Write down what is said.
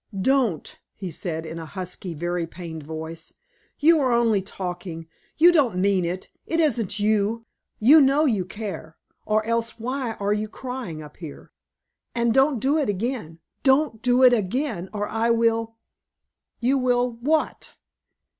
"Don't!" he said in a husky, very pained voice. "You are only talking; you don't mean it. It isn't YOU. You know you care, or else why are you crying up here? And don't do it again, DON'T DO IT AGAIN or I will " "You will what?"